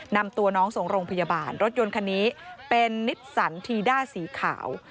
นำตัวน้องส่งโรงพยาบาลรถยนต์คันนี้เป็นนิสสันทีด้าสีขาว